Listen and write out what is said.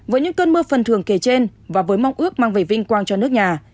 với những cơn mưa phần thường kể trên và với mong ước mang về vinh quang cho nước nhà